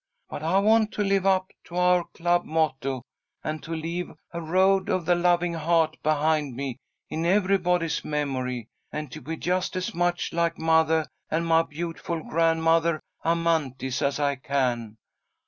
But I want to live up to our club motto, and to leave a Road of the Loving Heart behind me in everybody's memory, and to be just as much like mothah and my beautiful Grandmothah Amanthis as I can.